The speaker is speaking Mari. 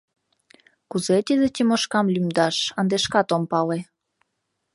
Кузе тиде Тимошкам лӱмдаш, ынде шкат ом пале.